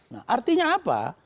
nah artinya apa